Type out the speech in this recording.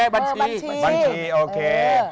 บัญชีโอเค